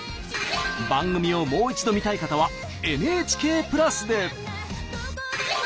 番組をもう一度見たい方はＮＨＫプラスで。